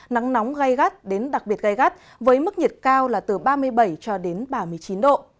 nắng nóng gây gắt đến đặc biệt gây gắt với mức nhiệt cao là từ ba mươi bảy ba mươi chín độ